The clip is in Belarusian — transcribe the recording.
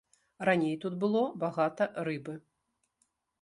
Раней тут было багата рыбы.